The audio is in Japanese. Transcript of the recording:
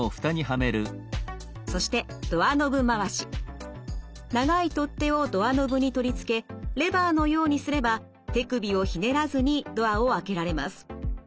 そして長い取っ手をドアノブに取り付けレバーのようにすれば手首をひねらずにドアを開けられます。